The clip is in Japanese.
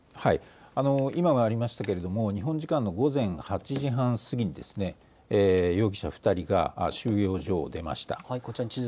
今もありましたが日本時間の午前８時半過ぎに容疑者２人が収容所を出ました。